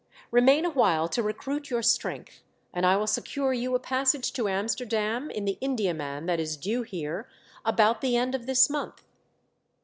Remain awhile to recruit your strength, and I will secure you a passage to Amsterdam in the Indiaman that is due here about the end of this month."